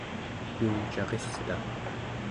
yungcarista